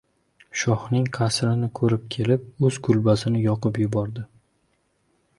• Shohning qasrini ko‘rib kelib, o‘z kulbasini yoqib yubordi.